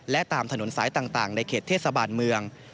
และตามถนนสายต่างในเขตเทศบาลเมือง